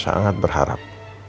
papa sangat berharap